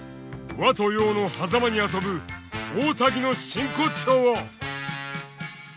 和と洋のはざまに遊ぶ大瀧の真骨頂を！